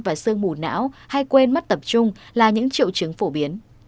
và sương mù não hay quên mất tập trung là những triệu chứng phổ biến